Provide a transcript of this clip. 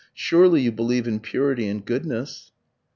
Surely you believe in purity and goodness?"